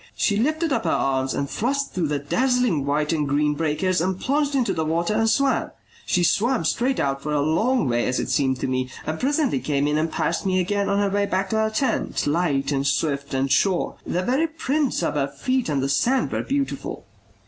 She lifted up her arms and thrust through the dazzling white and green breakers and plunged into the water and swam; she swam straight out for a long way as it seemed to me, and presently came in and passed me again on her way back to her tent, light and swift and sure. The very prints of her feet on the sand were beautiful.